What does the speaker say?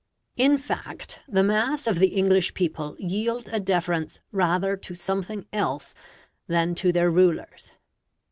In fact, the mass of the English people yield a deference rather to something else that to their rulers.